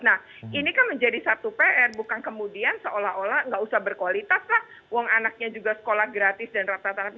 nah ini kan menjadi satu pr bukan kemudian seolah olah nggak usah berkualitas lah uang anaknya juga sekolah gratis dan rata rata